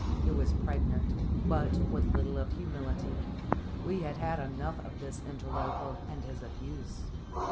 It was pregnant, but with little of humility. We had had enough of this interloper and his abuse.